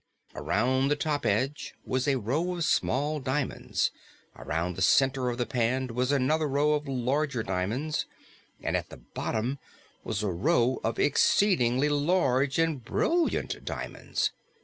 Around the top edge was a row of small diamonds; around the center of the pan was another row of larger diamonds; and at the bottom was a row of exceedingly large and brilliant diamonds.